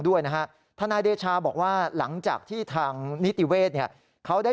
ด้วยนะฮะทนายเดชาบอกว่าหลังจากที่ทางนิติเวศเนี่ยเขาได้